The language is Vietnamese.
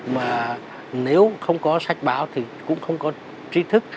mà nếu không có sách báo thì cũng không có trí thức